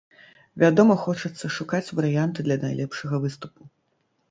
Вядома, хочацца шукаць варыянты для найлепшага выступу.